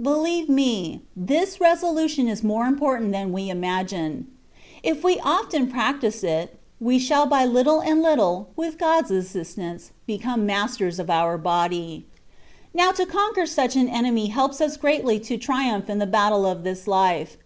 Believe me, this resolution is more important than we imagine. If we often practise it, we shall by little and little, with God^s assistance, become masters of our body. Now to conquer such an enemy helps us greatly to triumph in the battle of this life.